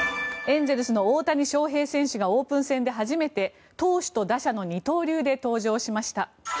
エンゼルスの大谷翔平選手がオープン戦で初めて投手と打者の二刀流で登場しました。